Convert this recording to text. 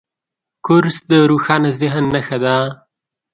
کورس د روښانه ذهن نښه ده.